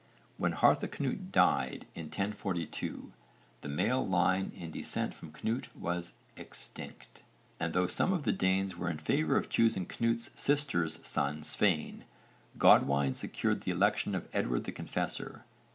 When Harthacnut died in 1042 the male line in descent from Cnut was extinct, and though some of the Danes were in favour of choosing Cnut's sister's son Svein, Godwine secured the election of Edward the Confessor.